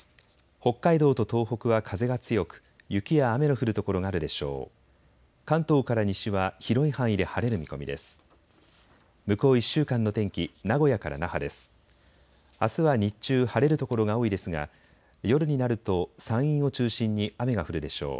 北海道と東北は風が強く雪や雨の降る所があるでしょう。